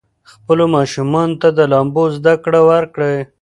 خپلو ماشومانو ته د لامبو زده کړه ورکړئ.